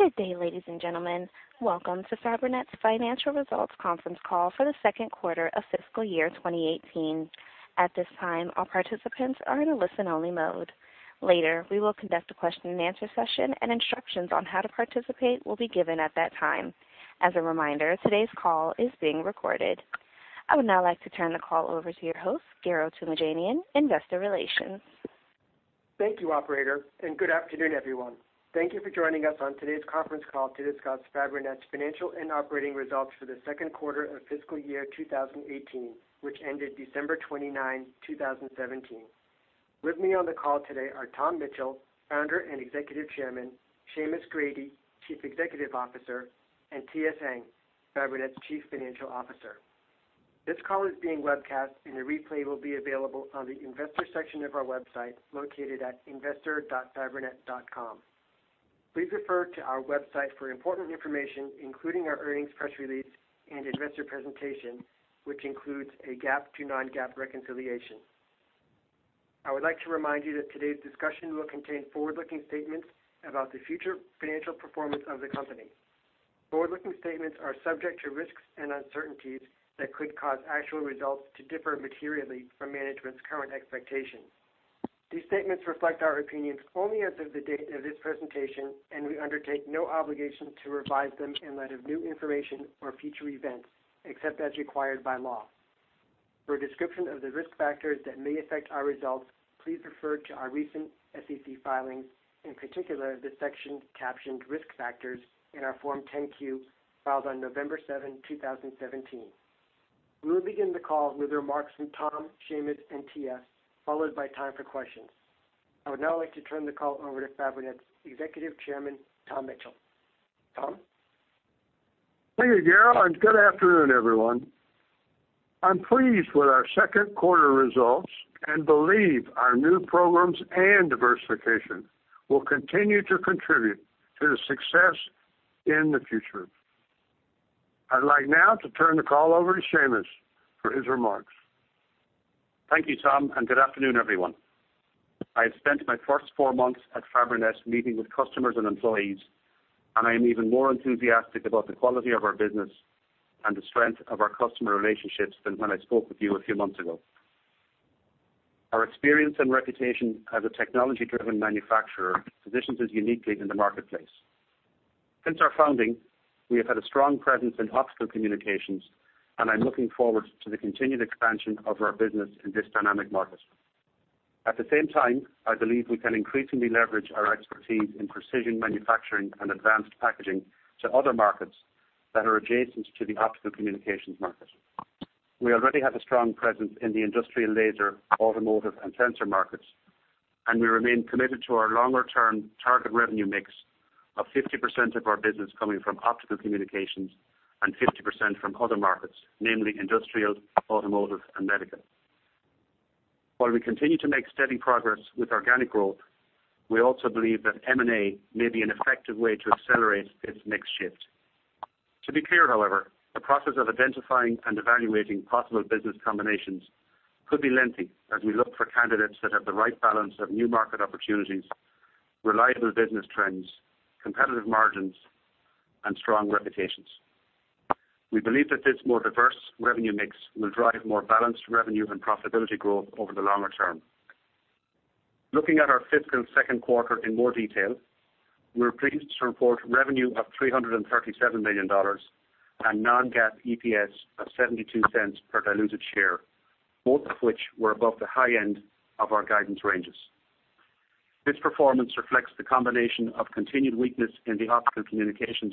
Good day, ladies and gentlemen. Welcome to Fabrinet's financial results conference call for the second quarter of FY 2018. At this time, all participants are in a listen-only mode. Later, we will conduct a question and answer session, and instructions on how to participate will be given at that time. As a reminder, today's call is being recorded. I would now like to turn the call over to your host, Garo Toomajanian, Investor Relations. Thank you, operator, and good afternoon, everyone. Thank you for joining us on today's conference call to discuss Fabrinet's financial and operating results for the second quarter of FY 2018, which ended December 29, 2017. With me on the call today are Tom Mitchell, Founder and Executive Chairman, Seamus Grady, Chief Executive Officer, and TS Ng, Fabrinet's Chief Financial Officer. This call is being webcast and a replay will be available on the investor section of our website located at investor.fabrinet.com. Please refer to our website for important information, including our earnings press release and investor presentation, which includes a GAAP to non-GAAP reconciliation. I would like to remind you that today's discussion will contain forward-looking statements about the future financial performance of the company. Forward-looking statements are subject to risks and uncertainties that could cause actual results to differ materially from management's current expectations. These statements reflect our opinions only as of the date of this presentation, and we undertake no obligation to revise them in light of new information or future events, except as required by law. For a description of the risk factors that may affect our results, please refer to our recent SEC filings, in particular, the section captioned risk factors in our Form 10-Q filed on November 7, 2017. We will begin the call with remarks from Tom, Seamus, and TS, followed by time for questions. I would now like to turn the call over to Fabrinet's Executive Chairman, Tom Mitchell. Tom? Thank you, Garo, and good afternoon, everyone. I'm pleased with our second quarter results and believe our new programs and diversification will continue to contribute to the success in the future. I'd like now to turn the call over to Seamus for his remarks. Thank you, Tom, and good afternoon, everyone. I have spent my first 4 months at Fabrinet meeting with customers and employees, and I am even more enthusiastic about the quality of our business and the strength of our customer relationships than when I spoke with you a few months ago. Our experience and reputation as a technology-driven manufacturer positions us uniquely in the marketplace. Since our founding, we have had a strong presence in optical communications, and I am looking forward to the continued expansion of our business in this dynamic market. At the same time, I believe we can increasingly leverage our expertise in precision manufacturing and advanced packaging to other markets that are adjacent to the optical communications market. We already have a strong presence in the industrial laser, automotive, and sensor markets, and we remain committed to our longer-term target revenue mix of 50% of our business coming from optical communications and 50% from other markets, namely industrial, automotive, and medical. While we continue to make steady progress with organic growth, we also believe that M&A may be an effective way to accelerate this mix shift. To be clear, however, the process of identifying and evaluating possible business combinations could be lengthy as we look for candidates that have the right balance of new market opportunities, reliable business trends, competitive margins, and strong reputations. We believe that this more diverse revenue mix will drive more balanced revenue and profitability growth over the longer term. Looking at our fiscal second quarter in more detail, we are pleased to report revenue of $337 million and non-GAAP EPS of $0.72 per diluted share, both of which were above the high end of our guidance ranges. This performance reflects the combination of continued weakness in the optical communications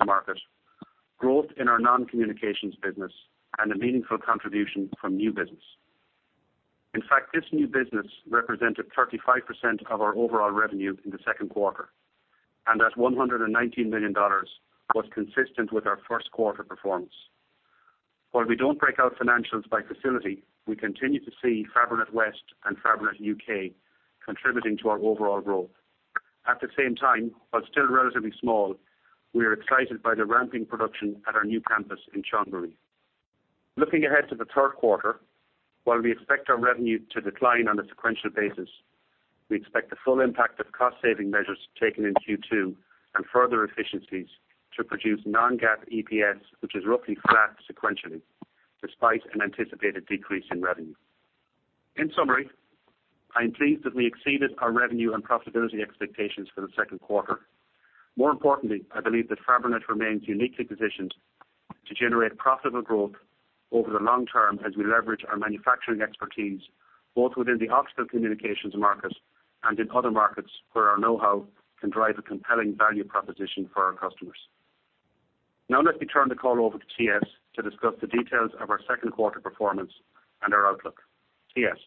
market, growth in our non-communications business, and a meaningful contribution from new business. In fact, this new business represented 35% of our overall revenue in the second quarter, and at $119 million, was consistent with our first quarter performance. While we do not break out financials by facility, we continue to see Fabrinet West and Fabrinet UK contributing to our overall growth. At the same time, while still relatively small, we are excited by the ramping production at our new campus in Changzhou. Looking ahead to the third quarter, while we expect our revenue to decline on a sequential basis, we expect the full impact of cost-saving measures taken in Q2 and further efficiencies to produce non-GAAP EPS, which is roughly flat sequentially, despite an anticipated decrease in revenue. In summary, I am pleased that we exceeded our revenue and profitability expectations for the second quarter. More importantly, I believe that Fabrinet remains uniquely positioned to generate profitable growth over the long term as we leverage our manufacturing expertise, both within the optical communications market and in other markets where our know-how can drive a compelling value proposition for our customers. Let me turn the call over to TS to discuss the details of our second quarter performance and our outlook. TS?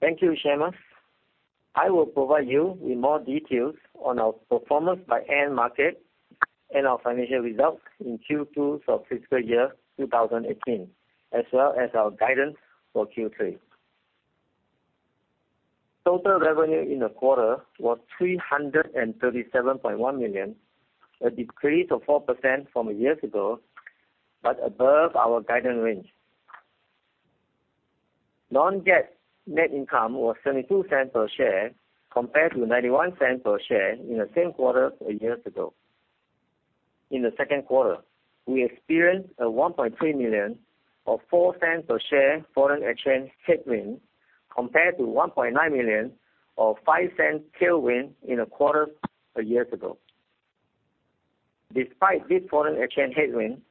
Thank you, Seamus. I will provide you with more details on our performance by end market and our financial results in Q2 of fiscal year 2018, as well as our guidance for Q3. Total revenue in the quarter was $337.1 million, a decrease of 4% from a year ago, above our guidance range. Non-GAAP net income was $0.72 per share compared to $0.91 per share in the same quarter a year ago. In the second quarter, we experienced a $1.3 million or $0.04 per share foreign exchange headwind compared to $1.9 million or $0.05 tailwind in the quarter a year ago. Despite this foreign exchange headwind,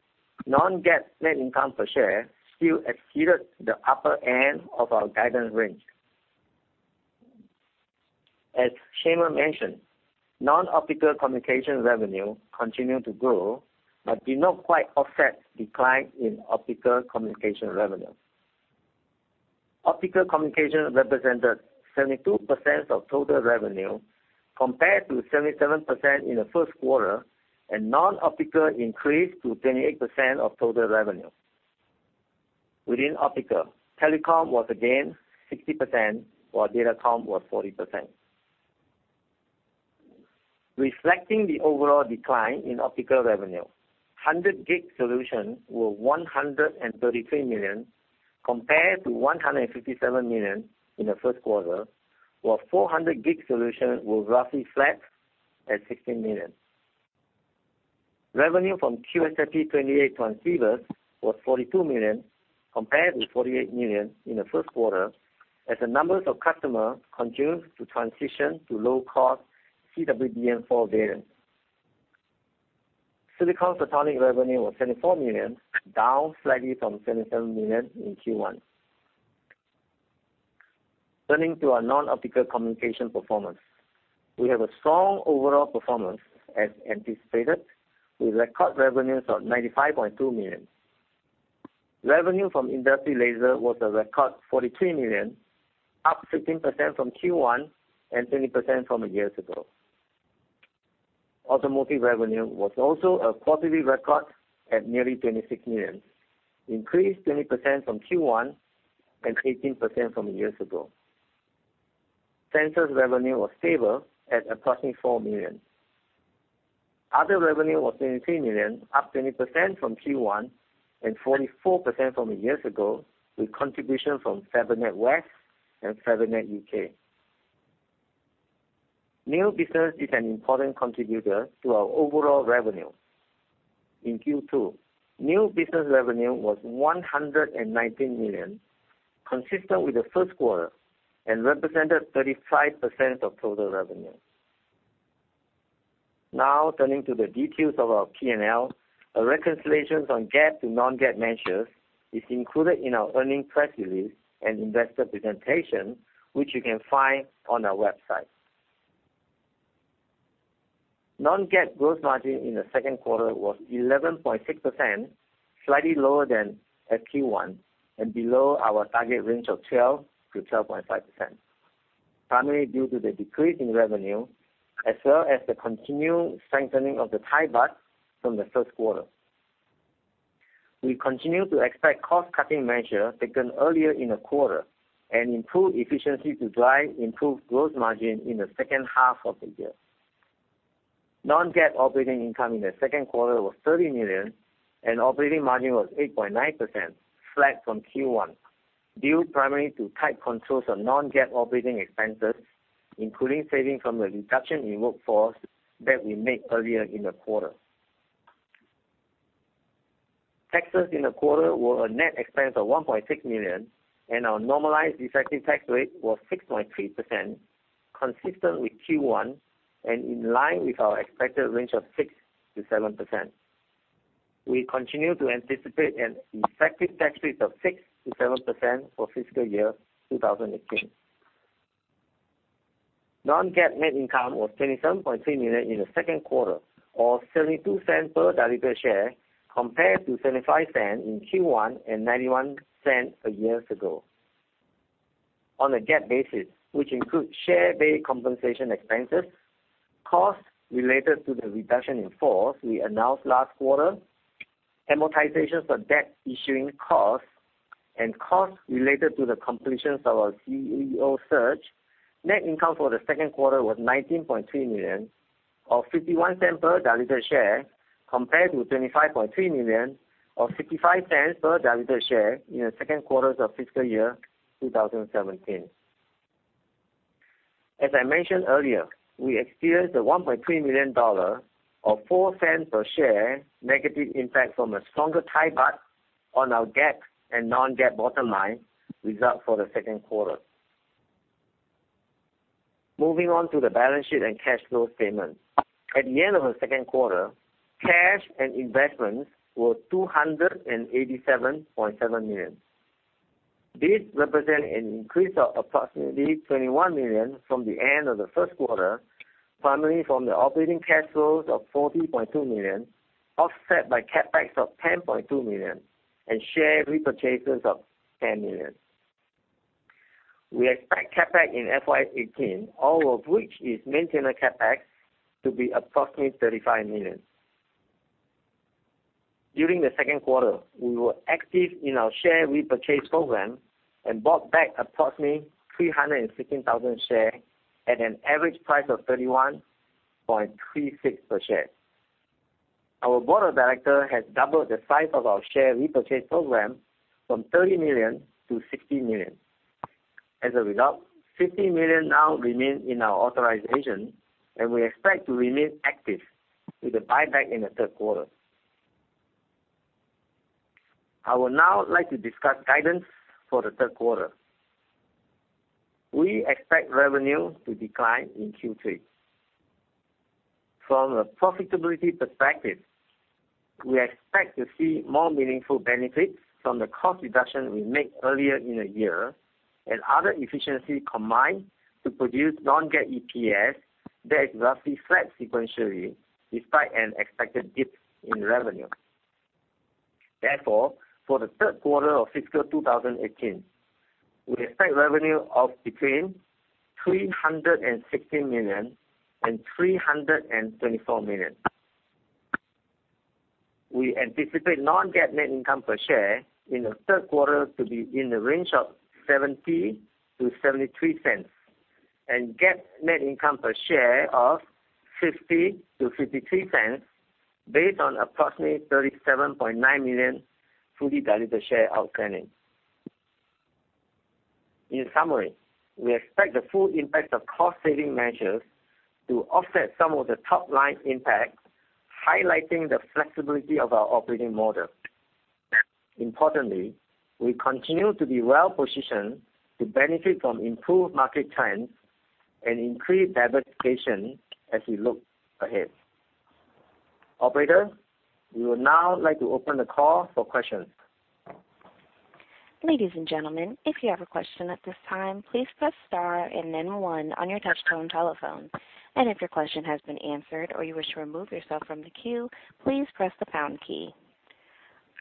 non-GAAP net income per share still exceeded the upper end of our guidance range. As Seamus mentioned, non-optical communication revenue continued to grow but did not quite offset decline in optical communication revenue. Optical communication represented 72% of total revenue, compared to 77% in the first quarter, non-optical increased to 28% of total revenue. Within optical, telecom was again 16% while datacom was 40%. Reflecting the overall decline in optical revenue, 100G solutions were $133 million compared to $157 million in the first quarter, while 400G solutions were roughly flat at $16 million. Revenue from QSFP28 transceivers was $42 million compared to $48 million in the first quarter, as the numbers of customers continued to transition to low-cost CWDM4 variants. Silicon photonics revenue was $74 million, down slightly from $77 million in Q1. Turning to our non-optical communication performance. We have a strong overall performance as anticipated with record revenues of $95.2 million. Revenue from industrial laser was a record $43 million, up 15% from Q1 and 20% from a year ago. Automotive revenue was also a quarterly record at nearly $26 million, increased 20% from Q1 and 18% from a year ago. Sensors revenue was stable at approximately $4 million. Other revenue was $23 million, up 20% from Q1 and 44% from a year ago, with contribution from Fabrinet West and Fabrinet UK. New business is an important contributor to our overall revenue. In Q2, new business revenue was $119 million, consistent with the first quarter, represented 35% of total revenue. Now turning to the details of our P&L. A reconciliation on GAAP to non-GAAP measures is included in our earnings press release and investor presentation, which you can find on our website. Non-GAAP gross margin in the second quarter was 11.6%, slightly lower than at Q1 and below our target range of 12%-12.5%, primarily due to the decrease in revenue as well as the continued strengthening of the Thai baht from the first quarter. We continue to expect cost-cutting measures taken earlier in the quarter and improved efficiency to drive improved gross margin in the second half of the year. Non-GAAP operating income in the second quarter was $30 million and operating margin was 8.9%, flat from Q1, due primarily to tight controls on non-GAAP operating expenses, including savings from the reduction in workforce that we made earlier in the quarter. Taxes in the quarter were a net expense of $1.6 million, and our normalized effective tax rate was 6.3%, consistent with Q1 and in line with our expected range of 6%-7%. We continue to anticipate an effective tax rate of 6%-7% for fiscal year 2018. Non-GAAP net income was $27.3 million in the second quarter, or $0.72 per diluted share, compared to $0.75 in Q1 and $0.91 a year ago. On a GAAP basis, which includes share-based compensation expenses, costs related to the reduction in force we announced last quarter, amortization of debt issuing costs, and costs related to the completion of our CEO search. Net income for the second quarter was $19.3 million, or $0.51 per diluted share, compared to $25.3 million or $0.55 per diluted share in the second quarter of fiscal year 2017. As I mentioned earlier, we experienced a $1.3 million or $0.04 per share negative impact from a stronger Thai baht on our GAAP and non-GAAP bottom line results for the second quarter. Moving on to the balance sheet and cash flow statement. At the end of the second quarter, cash and investments were $287.7 million. This represents an increase of approximately $21 million from the end of the first quarter, primarily from the operating cash flows of $40.2 million, offset by CapEx of $10.2 million and share repurchases of $10 million. We expect CapEx in FY 2018, all of which is maintenance CapEx, to be approximately $35 million. During the second quarter, we were active in our share repurchase program and bought back approximately 316,000 shares at an average price of $31.36 per share. Our board of directors has doubled the size of our share repurchase program from $30 million to $60 million. As a result, $60 million now remains in our authorization, and we expect to remain active with the buyback in the third quarter. I would now like to discuss guidance for the third quarter. We expect revenue to decline in Q3. From a profitability perspective, we expect to see more meaningful benefits from the cost reduction we made earlier in the year and other efficiency combined to produce non-GAAP EPS that is roughly flat sequentially, despite an expected dip in revenue. Therefore, for the third quarter of fiscal 2018, we expect revenue of between $316 million and $324 million. We anticipate non-GAAP net income per share in the third quarter to be in the range of $0.70-$0.73, and GAAP net income per share of $0.50-$0.53, based on approximately 37.9 million fully diluted shares outstanding. In summary, we expect the full impact of cost-saving measures to offset some of the top-line impact, highlighting the flexibility of our operating model. Importantly, we continue to be well-positioned to benefit from improved market trends and increased diversification as we look ahead. Operator, we would now like to open the call for questions. Ladies and gentlemen, if you have a question at this time, please press star and then one on your touch-tone telephone. If your question has been answered or you wish to remove yourself from the queue, please press the pound key.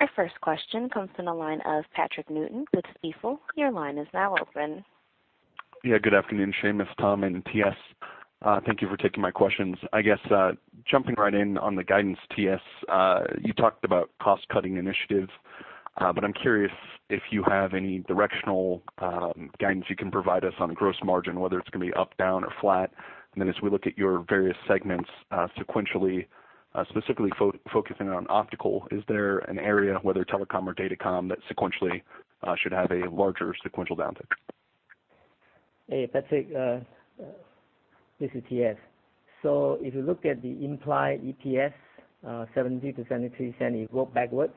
Our first question comes from the line of Patrick Newton with Stifel. Your line is now open. Good afternoon, Seamus, Tom, and TS. Thank you for taking my questions. I guess, jumping right in on the guidance, TS, you talked about cost-cutting initiatives. I'm curious if you have any directional guidance you can provide us on gross margin, whether it's going to be up, down, or flat. Then as we look at your various segments sequentially, specifically focusing on optical, is there an area, whether telecom or datacom, that sequentially should have a larger sequential downturn? Patrick, this is TS. If you look at the implied EPS, $0.70-$0.73, it go backwards.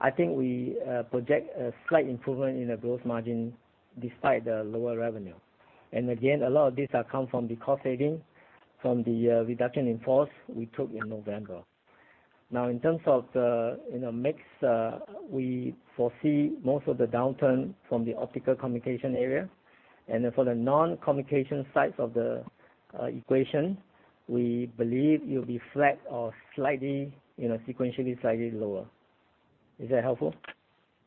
I think we project a slight improvement in the gross margin despite the lower revenue. Again, a lot of these are come from the cost saving from the reduction in force we took in November. In terms of the mix, we foresee most of the downturn from the optical communication area. Then for the non-communication sides of the equation, we believe it will be flat or sequentially slightly lower. Is that helpful?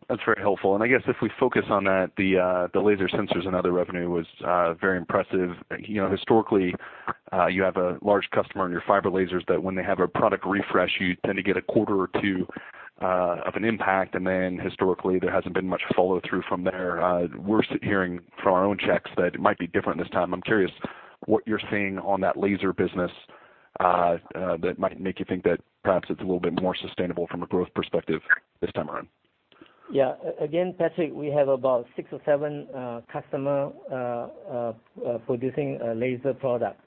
That's very helpful. I guess if we focus on that, the laser sensors and other revenue was very impressive. Historically, you have a large customer in your fiber lasers that when they have a product refresh, you tend to get a quarter or two of an impact, then historically, there hasn't been much follow-through from there. We're hearing from our own checks that it might be different this time. I'm curious what you're seeing on that laser business that might make you think that perhaps it's a little bit more sustainable from a growth perspective this time around. Yeah. Again, Patrick, we have about six or seven customer producing a laser product.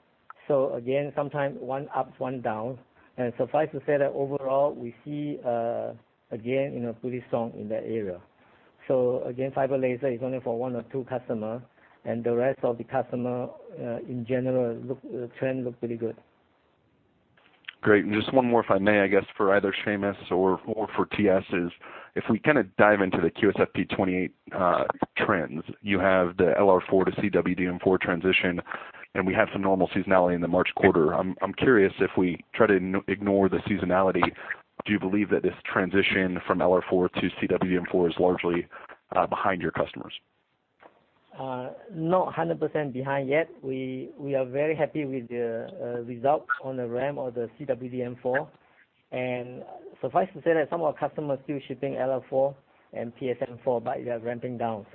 Sometimes one up, one down, and suffice to say that overall, we see again, pretty strong in that area. Fiber laser is only for one or two customer, and the rest of the customer, in general, the trend look pretty good. Great. Just one more, if I may, I guess for either Seamus or for TS, is if we kind of dive into the QSFP28 trends, you have the LR4 to CWDM4 transition, and we have some normal seasonality in the March quarter. I'm curious if we try to ignore the seasonality, do you believe that this transition from LR4 to CWDM4 is largely behind your customers? Not 100% behind yet. We are very happy with the results on the ramp of the CWDM4. Suffice to say that some of our customers still shipping LR4 and PSM4, but they are ramping down.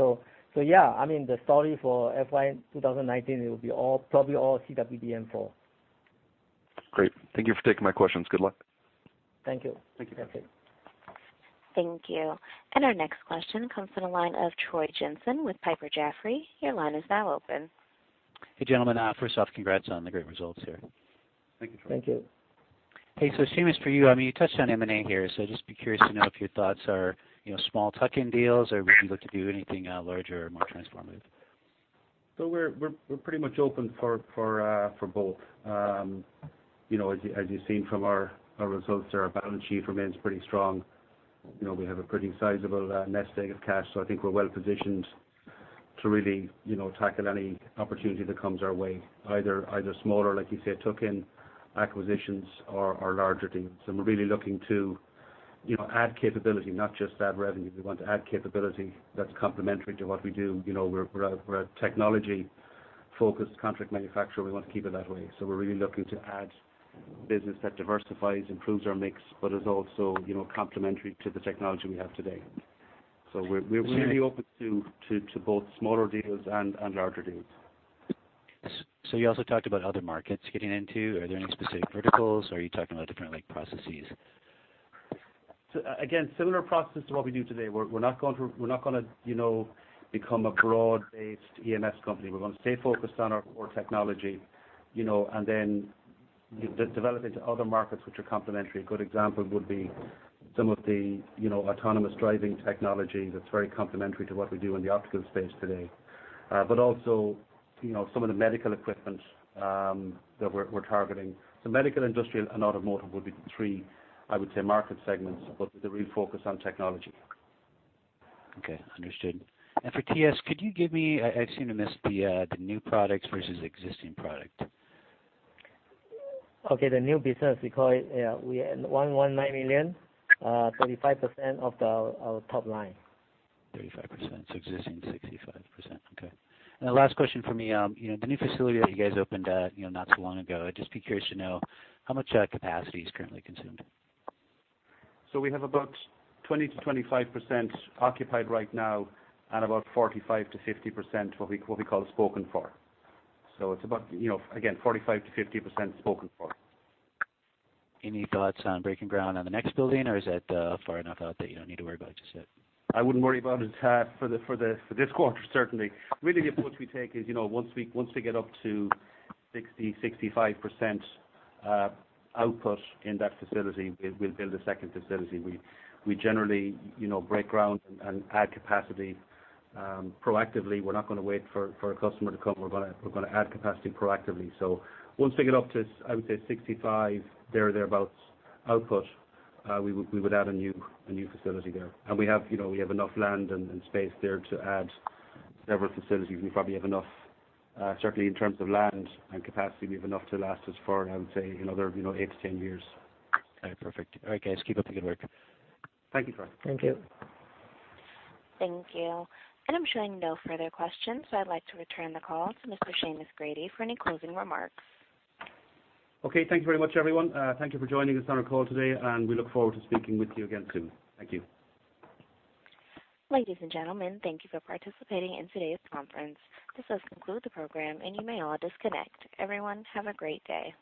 Yeah, the story for FY 2019, it will be probably all CWDM4. Great. Thank you for taking my questions. Good luck. Thank you. Thank you. Thank you. Thank you. Our next question comes from the line of Troy Jensen with Piper Jaffray. Your line is now open. Hey, gentlemen. First off, congrats on the great results here. Thank you. Thank you. Hey, Seamus, for you touched on M&A here, so just be curious to know if your thoughts are small tuck-in deals, or would you look to do anything larger or more transformative? We're pretty much open for both. As you've seen from our results there, our balance sheet remains pretty strong. We have a pretty sizable nest egg of cash. I think we're well-positioned to really tackle any opportunity that comes our way, either smaller, like you say, tuck-in acquisitions or larger deals. We're really looking to add capability, not just add revenue. We want to add capability that's complementary to what we do. We're a technology-focused contract manufacturer. We want to keep it that way. We're really looking to add business that diversifies, improves our mix, but is also complementary to the technology we have today. We're really open to both smaller deals and larger deals. You also talked about other markets getting into. Are there any specific verticals, or are you talking about different processes? Again, similar process to what we do today. We're not going to become a broad-based EMS company. We're going to stay focused on our core technology, develop into other markets which are complementary. A good example would be some of the autonomous driving technology that's very complementary to what we do in the optical space today. Also some of the medical equipment that we're targeting. Medical, industrial, and automotive would be the three, I would say, market segments, but with the real focus on technology. Okay. Understood. For TS, could you give me, I seem to miss the new products versus existing product. Okay. The new business, we call it, we had $119 million, 35% of our top line. 35%. Existing 65%. Okay. The last question from me, the new facility that you guys opened, not so long ago, I'd just be curious to know how much capacity is currently consumed. We have about 20%-25% occupied right now, and about 45%-50% what we call spoken for. It's about, again, 45%-50% spoken for. Any thoughts on breaking ground on the next building, or is that far enough out that you don't need to worry about just yet? I wouldn't worry about it for this quarter, certainly. Really the approach we take is, once we get up to 60%, 65% output in that facility, we'll build a second facility. We generally break ground and add capacity proactively. We're not going to wait for a customer to come. We're going to add capacity proactively. Once we get up to, I would say 65%, there or thereabouts output, we would add a new facility there. We have enough land and space there to add several facilities. We probably have enough, certainly in terms of land and capacity, we have enough to last us for, I would say, another 8 to 10 years. All right. Perfect. All right, guys, keep up the good work. Thank you, Troy. Thank you. Thank you. I'm showing no further questions, I'd like to return the call to Mr. Seamus Grady for any closing remarks. Okay. Thank you very much, everyone. Thank you for joining us on our call today, and we look forward to speaking with you again soon. Thank you. Ladies and gentlemen, thank you for participating in today's conference. This does conclude the program, and you may all disconnect. Everyone, have a great day.